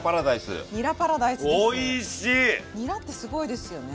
にらってすごいですよね。